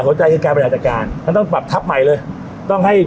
สนใจคือการบริหารจัดการมันต้องปรับทัพใหม่เลยต้องให้